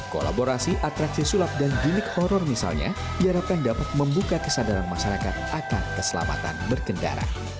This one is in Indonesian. kolaborasi atraksi sulap dan gimmick horror misalnya diharapkan dapat membuka kesadaran masyarakat akan keselamatan berkendara